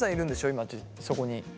今そこに。